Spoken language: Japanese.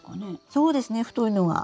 そうですね太いのは。